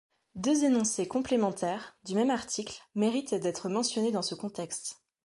Deux énoncés complémentaires, du même article, méritent d'être mentionnés dans ce contexte.